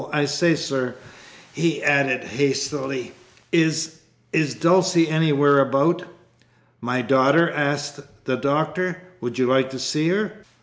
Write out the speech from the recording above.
I say, sir," he added hastily, "is is Dulcie anywhere about?" "My daughter?" asked the Doctor. "Would you like to see her?"